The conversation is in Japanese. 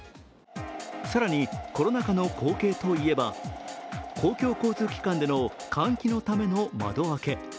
更に、コロナ禍の光景といえば公共交通機関での換気のための窓開け。